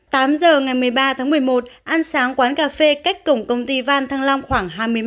tám giờ ngày một mươi ba tháng một mươi một ăn sáng quán cà phê cách cổng công ty van thăng long khoảng hai mươi m